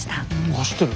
走ってる。